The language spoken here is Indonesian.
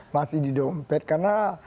masih di dompet karena